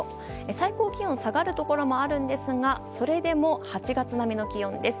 最高気温は下がるところもあるんですがそれでも８月並みの気温です。